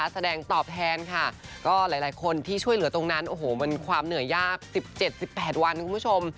แสดงตอบแทนค่ะก็หลายคนที่ช่วยเหลือตรงนั้นโอ้โหมันความเหนื่อยยาก๑๗๑๘วันคุณผู้ชม